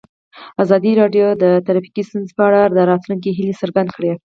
ازادي راډیو د ټرافیکي ستونزې په اړه د راتلونکي هیلې څرګندې کړې.